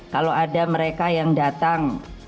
kalau ada mereka yang datang